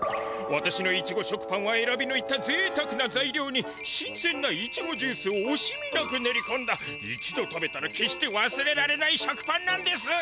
わたしのイチゴ食パンはえらびぬいたぜいたくなざいりょうにしんせんなイチゴジュースをおしみなく練りこんだ一度食べたら決してわすれられない食パンなんです！